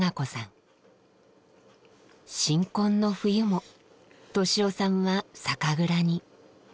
新婚の冬も利雄さんは酒蔵に。